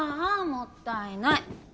もったいない。